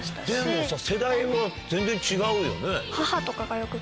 でもさ世代は全然違うよね。